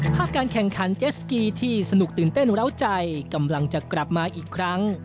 การแข่งขันเจสกีที่สนุกตื่นเต้นเล้าใจกำลังจะกลับมาอีกครั้ง